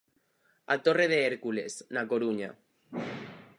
A Torre de Hércules, na Coruña.